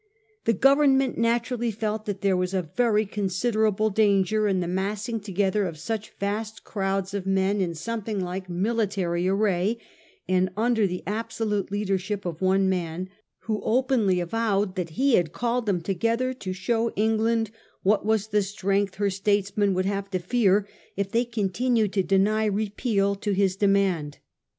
The Government naturally felt that there was a very considerable danger in the massing together of such vast crowds of men in something like military array and under the absolute leadership of one man, who openly avowed that he had called them together to show England what was the strength her states men would have to fear if they continued to deny Repeal to his demand.